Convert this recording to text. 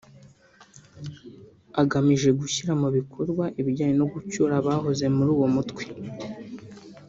agamije gushyira mu bikorwa ibijyanye no gucyura abahoze muri uwo mutwe